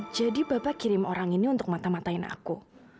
jadi bapak kirim orang ini untuk mata matain aku